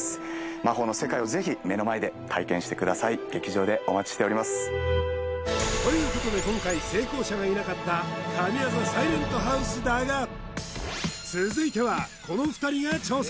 魔法の世界をぜひ目の前で体験してください劇場でお待ちしておりますということで今回成功者がいなかった神業サイレントハウスだが続いてはこの２人が挑戦！